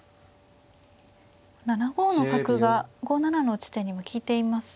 ７五の角が５七の地点にも利いていますし。